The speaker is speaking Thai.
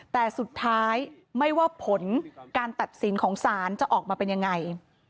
แต่สุดท้ายไม่ว่าผลการตัดสินของศาลจะออกมาเป็นยังไง